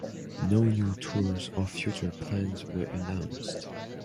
No new tours or future plans were announced.